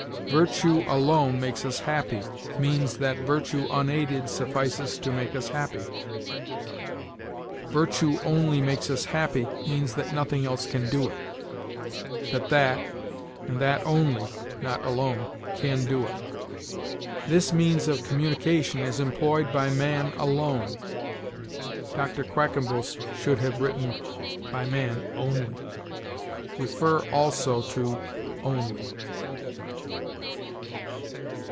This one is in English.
"Virtue alone makes us happy," means that virtue unaided suffices to make us happy; "Virtue only makes us happy," means that nothing else can do it that that, and that only (not alone), can do it. "This means of communication is employed by man alone." Dr. Quackenbos should have written, "By man only". See also ONLY.